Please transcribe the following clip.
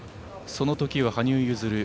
そのときは羽生結弦